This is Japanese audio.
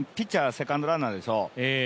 セカンドランナーでしょう。